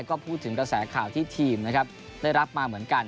ก็พูดถึงกระแสข่าวที่ทีมนะครับได้รับมาเหมือนกัน